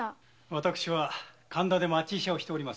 私は神田で町医者をしております